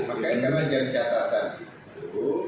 makanya karena catatan itu